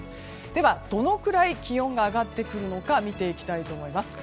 では、どのくらい気温が上がってくるのか見ていきたいと思います。